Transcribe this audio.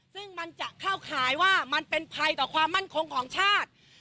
ซึ่งมันจะเข้าข่ายว่ามันเป็นภัยต่อความมั่นคงของชาติ